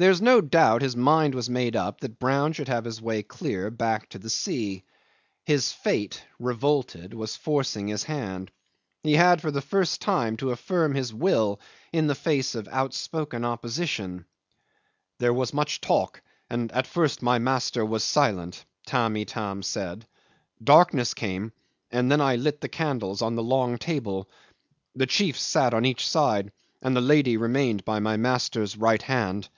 'There's no doubt his mind was made up that Brown should have his way clear back to the sea. His fate, revolted, was forcing his hand. He had for the first time to affirm his will in the face of outspoken opposition. "There was much talk, and at first my master was silent," Tamb' Itam said. "Darkness came, and then I lit the candles on the long table. The chiefs sat on each side, and the lady remained by my master's right hand."